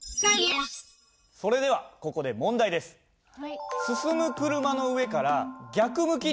それではここで問題です。えっ？